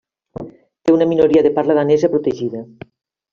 Té una minoria de parla danesa protegida.